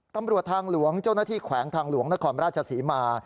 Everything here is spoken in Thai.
ตำรวจทางหลวงเจ้าหน้าที่แขวงทางหลวงนครราชศรีมา